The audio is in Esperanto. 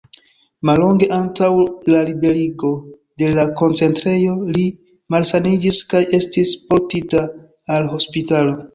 Mallonge antaŭ la liberigo de la koncentrejo, li malsaniĝis kaj estis portita al hospitalo.